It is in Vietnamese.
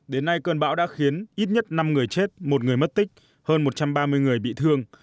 đến nay cơn bão đã khiến ít nhất năm người chết một người mất tích hơn một trăm ba mươi người bị thương